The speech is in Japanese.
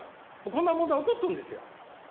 こんな問題、起こってるんですよ。